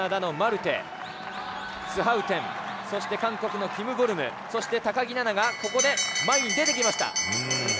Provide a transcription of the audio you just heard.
マルテ、スハウテン韓国のキム・ボルムそして高木菜那がここで前に出てきました。